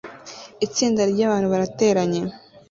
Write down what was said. Itsinda ryabantu barateranye